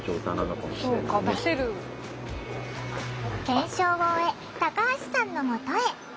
検証を終えタカハシさんのもとへ。